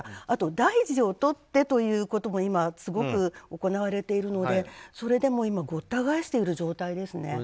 あと大事を取ってということも今、すごく行われているので、それで今ごった返している状況ですね。